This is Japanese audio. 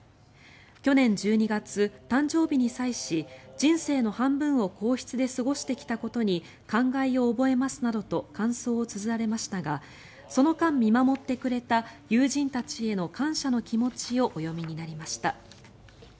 去年１２月、誕生日に際し人生の半分を皇室で過ごしてきたことに感慨を覚えますなどと感想をつづられましたがその間、見守ってくれた友人たちへの感謝の気持ちをお詠みになりました。